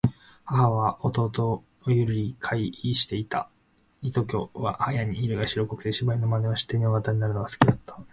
母は兄許り贔負にして居た。此兄はやに色が白くつて、芝居の真似をして女形になるのが好きだつた。